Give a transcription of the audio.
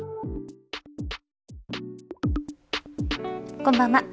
こんばんは。